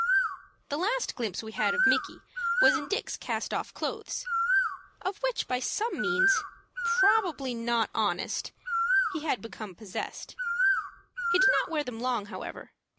The last glimpse we had of Micky was in Dick's cast off clothes, of which by some means, probably not honest, he had become possessed. He did not wear them long, however.